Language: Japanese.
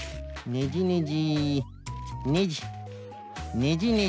ねじねじ。